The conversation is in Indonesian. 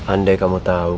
andai kamu tau